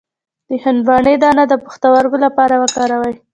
د هندواڼې دانه د پښتورګو لپاره وکاروئ